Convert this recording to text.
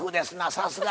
さすが。